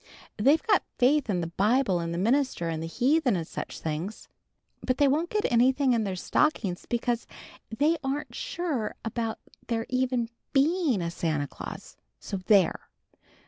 "They've got faith in the Bible and the minister and the heathen and such things. But they won't get anything in their stockings because they aren't sure about there even being a Santa Claus! So there!"